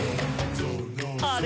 「あれ？